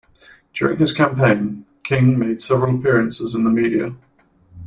During his campaign, King made several appearances in the media.